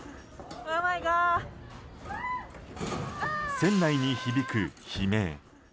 船内に響く悲鳴。